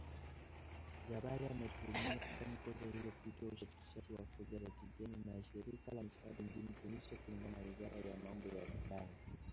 Jebali anatuhumiwa kufanya kosa hilo kupitia usafirishaji wa fedha za kigeni kwa shirika la misaada nchini Tunisia kulingana na wizara ya mambo ya ndani